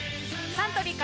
サントリーから